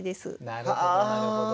なるほどなるほど。